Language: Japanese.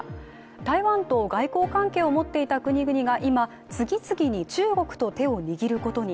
台湾と外交関係を持っていた国々が今次々に中国と手を握ることに。